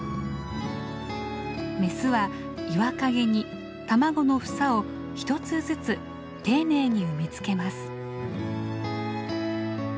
メスは岩陰に卵の房を１つずつ丁寧に産み付けます。